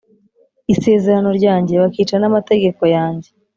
Isezerano ryanjye bakica n amategeko yanjye